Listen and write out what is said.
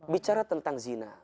bicara tentang zina